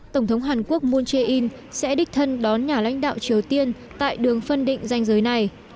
tổng thống hàn quốc moon jae in sẽ đích thân đón nhà lãnh đạo triều tiên tại đường phân định danh giới này